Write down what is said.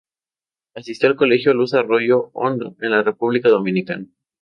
Asistió al Colegio Luz Arroyo Hondo en la República Dominicana.